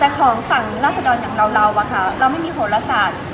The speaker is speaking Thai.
แต่ของฝั่งราศดรอย่างเราเราไม่มีโหลศาสตร์